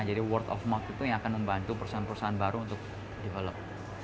jadi word of mouth itu yang akan membantu perusahaan perusahaan baru untuk develop